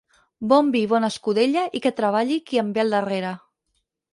Bon vi i bona escudella i que treballi qui em ve al darrere.